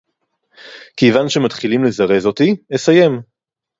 כְּיוֹן שֶמַתְחִילִים לְזָרֵז אוֹתִי, אֲסַיֵים.